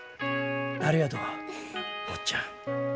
ありがとう坊っちゃん。